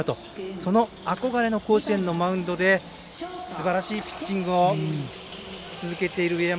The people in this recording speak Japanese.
その憧れの甲子園のマウンドですばらしいピッチングを続けている上山。